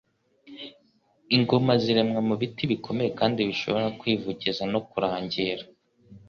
Ingoma ziremwa mu biti bikomeye kandi bishobora kwivugiza no kurangira,